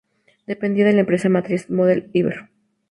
Dependía de la empresa matriz Model-Iber.